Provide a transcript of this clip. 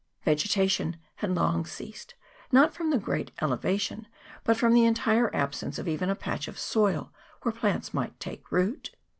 Ve getation had long ceased, not from the great ele vation, but from the entire absence of even a patch of soil where plants might take root.